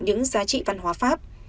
những giá trị văn hóa pháp